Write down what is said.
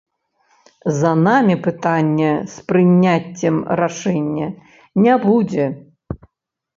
За намі пытання з прыняццем рашэння не будзе.